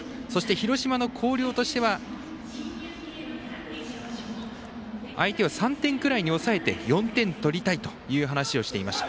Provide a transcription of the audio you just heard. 広島の広陵としては相手を３点くらいに抑えて４点取りたいと話していました。